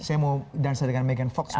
saya mau dansa dengan megan fox misalnya